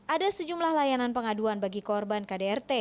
ada sejumlah layanan pengaduan bagi korban kdrt